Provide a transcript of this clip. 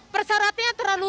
persyaratnya terlalu banyak